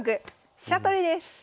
飛車取りです。